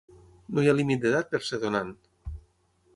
No hi ha límit d'edat per ser donant!